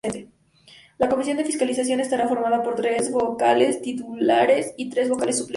La Comisión de Fiscalización estará formada por tres vocales titulares y tres vocales suplentes.